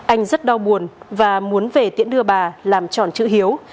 anh rất đau buồn và muốn về tiễn đưa bà làm tròn chữ hiếu